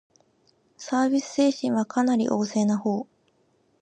サービス精神はかなり旺盛なほう